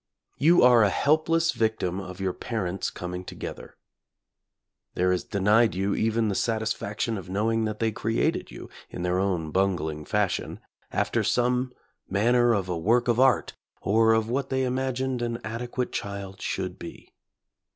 You are a helpless victim of your parents' coming together. There is denied you even the satisfaction of know ing that they created you, in their own bungling fashion, after some manner of a work of art, or of what they imagined an adequate child should be.